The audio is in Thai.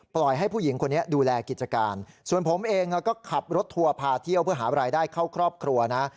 ปล่อยให้ผู้หญิงคนนี้ดูแลกิจการส่วนผมเองก็ขับรถทัวร์พาเที่ยวเพื่อหารายได้เข้าครอบครัวนะ